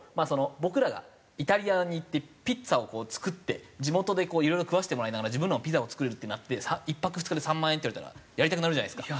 僕らがイタリアに行ってピッツァをこう作って地元でいろいろ食わせてもらいながら自分らのピザを作れるってなって１泊２日で３万円って言われたらやりたくなるじゃないですか。